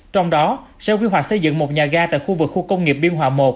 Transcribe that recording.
trong đó sở quy hoạch xây dựng một nhà ga tại khu vực khu công nghiệp biên hòa một